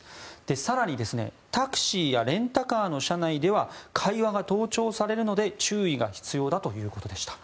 更に、タクシーやレンタカーの車内では会話が盗聴されるので注意が必要だということでした。